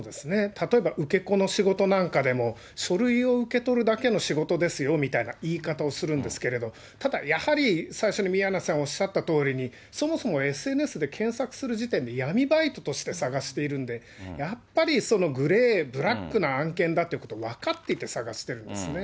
例えば、受け子の仕事なんかでも、書類を受け取るだけの仕事ですよみたいな言い方をするんですけれど、ただやはり、最初に宮根さんおっしゃったとおりに、そもそもＳＮＳで検索する時点で闇バイトとして探しているんで、やっぱりグレー、ブラックな案件だっていうこと、分かっていて探してるんですね。